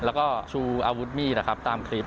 แล้วก็ชูอาวุธมีดตามคลิป